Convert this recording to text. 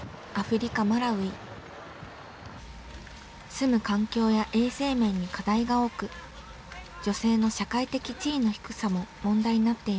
住む環境や衛生面に課題が多く女性の社会的地位の低さも問題になっています。